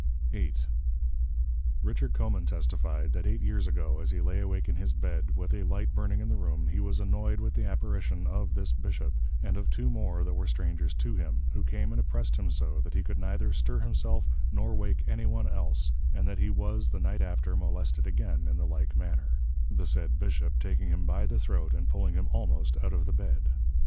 VIII. Richard Coman testifi'd, That eight Years ago, as he lay awake in his Bed, with a Light burning in the Room, he was annoy'd with the Apparition of this Bishop, and of two more that were strangers to him, who came and oppressed him so, that he could neither stir himself, nor wake any one else, and that he was the Night after, molested again in the like manner; the said Bishop, taking him by the Throat, and pulling him almost out of the Bed.